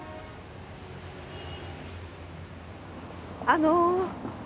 あの。